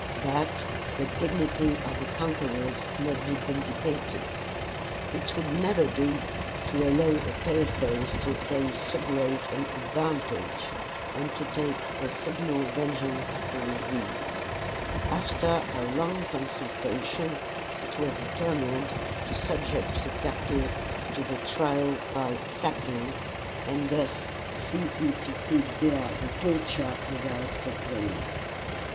But the dignity of the conquerors must be vindicated. It would never do to allow a pale face to obtain so great an advantage, and not take a signal vengeance for his deeds. After a long consultation, it was determined to subject the captive to the trial by saplings, and thus see if he could bear the torture without complaining.